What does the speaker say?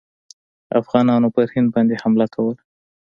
افغانانو پر هند باندي حمله کوله.